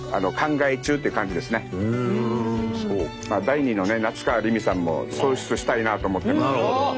第２の夏川りみさんも創出したいなと思ってますんで。